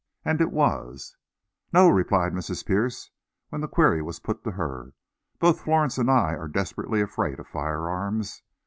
And it was. "No," replied Mrs. Pierce, when the query was put to her. "Both Florence and I are desperately afraid of firearms.